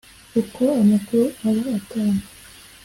uko amakuru aba atangwa